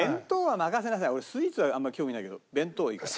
俺スイーツはあんまり興味ないけど弁当はいいから。